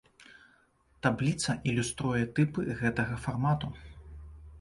Табліца ілюструе тыпы гэтага фармату.